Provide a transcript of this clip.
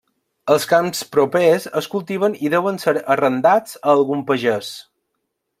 Els camps propers es cultiven i deuen ser arrendats a algun pagès.